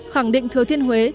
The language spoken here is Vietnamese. khẳng định thừa thiên huế